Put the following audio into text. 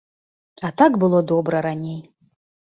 А так было добра раней!